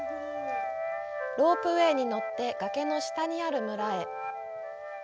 ロープウェイに乗って崖の下にある村へ。